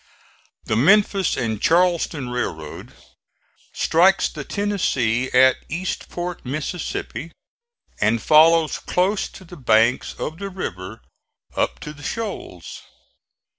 The Memphis and Charleston Railroad strikes the Tennessee at Eastport, Mississippi, and follows close to the banks of the river up to the shoals.